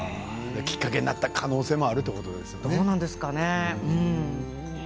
きっかけになる可能性もあるということですよね。